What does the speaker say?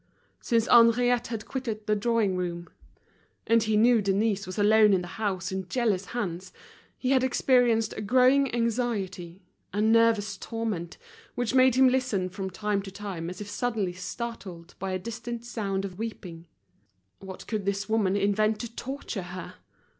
Since Henriette had quitted the drawing room, and he knew Denise was alone in the house in jealous hands, he had experienced a growing anxiety, a nervous torment, which made him listen from time to time as if suddenly startled by a distant sound of weeping. What could this woman invent to torture her?